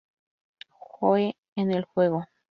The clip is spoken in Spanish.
Joe en el juego.